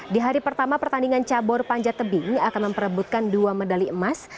di hari pertama pertandingan cabur panjat tebing akan memperebutkan dua medali emas